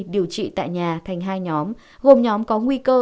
điều trị tại nhà thành hai nhóm gồm nhóm có nguy cơ